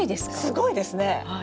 すごいですね！